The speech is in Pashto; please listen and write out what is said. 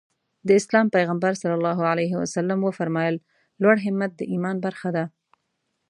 د اسلام پيغمبر ص وفرمايل لوړ همت د ايمان برخه ده.